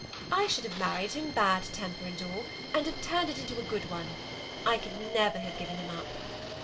I should have married him, bad temper and all, «nd have turned it into a good one. I could never have given him up.